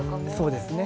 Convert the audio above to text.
そうですね。